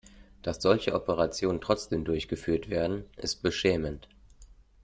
Dass solche Operationen trotzdem durchgeführt werden, ist beschämend.